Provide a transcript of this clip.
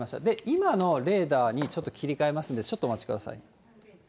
今のレーダーにちょっと切り替えますんで、ちょっとお待ちください。